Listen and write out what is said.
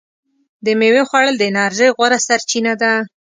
د میوې خوړل د انرژۍ غوره سرچینه ده.